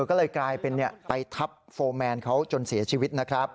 ก็เลยกลายเป็นไปทับโฟร์แมนเขาจนเสียชีวิตนะครับ